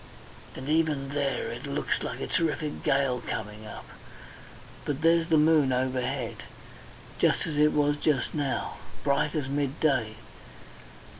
And even there it looks like a terrific gale coming up. But there's the moon overhead. Just as it was just now. Bright as midday.